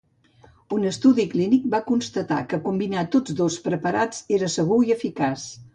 Un estudi clínic va constatar que combinar tots dos preparats era segur i eficaç.